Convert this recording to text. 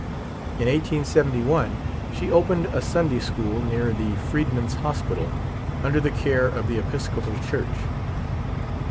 In 1871 she opened a Sunday school near the Freed man's Hospital, under the care of the Episcopal Church.